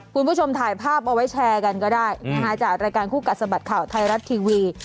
คุณผู้ชมถ่ายภาพเอาไว้แชร์กันก็ได้จากรายการคู่กัดสะบัดข่าวไทยรัฐทีวี